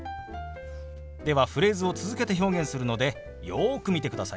ではフレーズを続けて表現するのでよく見てくださいね。